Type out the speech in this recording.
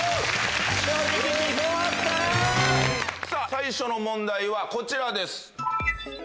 最初の問題はこちらです。